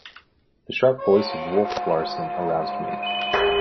The sharp voice of Wolf Larsen aroused me.